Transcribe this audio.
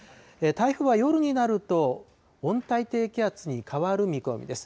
台風は夜になると温帯低気圧に変わる見込みです。